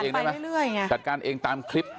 มันก็จะผ่านไปเรื่อยจัดการเองตามคลิป